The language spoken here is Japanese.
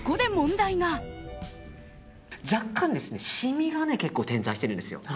若干シミが結構点在してるんですよ。